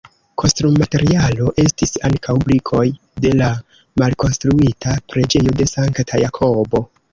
Konstrumaterialo estis ankaŭ brikoj de la malkonstruita Preĝejo de Sankta Jakobo.